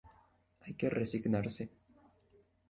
Hay que resignarse.